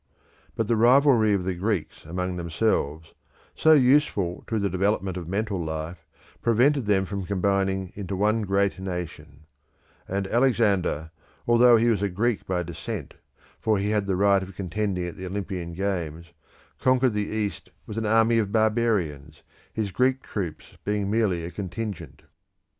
But the rivalry of the Greeks among themselves, so useful to the development of mental life, prevented them from combining into one great nation; and Alexander, although he was a Greek by descent, for he had the right of contending at the Olympian games, conquered the East with an army of barbarians, his Greek troops being merely a contingent.